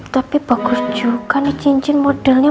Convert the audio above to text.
tapi bagus juga karena cincin modelnya